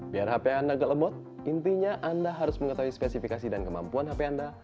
biar hp anda agak lemut intinya anda harus mengetahui spesifikasi dan kemampuan hp anda